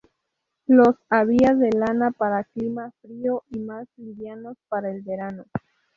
Los había de lana, para clima frío, y más livianos para el verano.